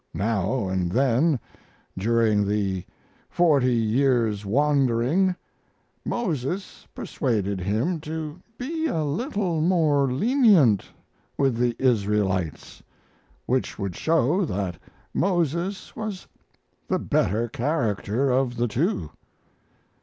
Now and then, during the forty years' wandering, Moses persuaded Him to be a little more lenient with the Israelites, which would show that Moses was the better character of the two.